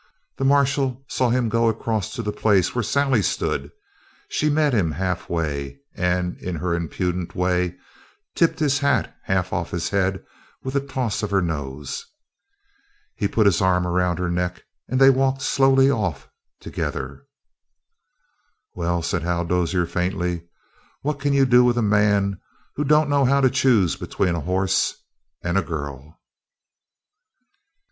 The marshal saw him go across to the place where Sally stood; she met him halfway, and, in her impudent way, tipped his hat half off his head with a toss of her nose. He put his arm around her neck and they walked slowly off together. "Well," said Hal Dozier faintly, "what can you do with a man who don't know how to choose between a horse and a girl?"